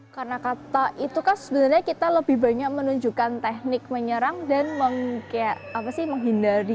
karena kata itu kan sebenarnya kita lebih banyak menunjukkan teknik menyerang dan menghindari